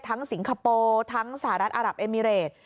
ทั้งสิงคโปร์ทั้งสหรัฐอัลับเอมิเรตร